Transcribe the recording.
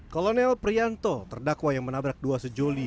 kolonel prianto terdakwa yang menabrak dua sejoli